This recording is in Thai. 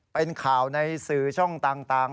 เป็นข่าวในสื่อช่องต่าง